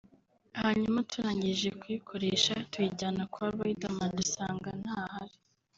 hanyuma turangije kuyikoresha tuyijyana kwa Riderman dusanga ntahari